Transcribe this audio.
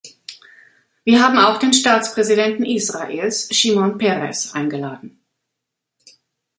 Wir haben auch den Staatspräsidenten Israels, Shimon Peres, eingeladen.